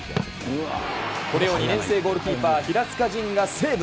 これを２年生ゴールキーパー、平塚仁がセーブ。